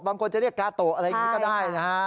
บางคนจะเรียกกาโตะอะไรอย่างนี้ก็ได้นะฮะ